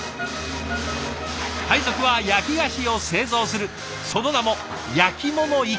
配属は焼き菓子を製造するその名も焼物１課。